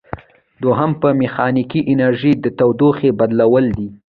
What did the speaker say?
دوهم په میخانیکي انرژي د تودوخې بدلول دي.